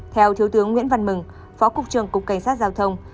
theo thiếu tướng nguyễn văn mừng phó cục trường cục cảnh sát giao thông